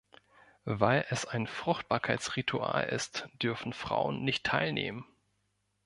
Weil es ein Fruchtbarkeitsritual ist, dürfen Frauen nicht teilnehmen.